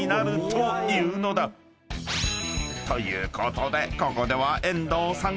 ［ということでここでは遠藤さん］